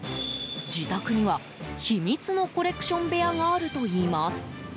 自宅には秘密のコレクション部屋があるといいます。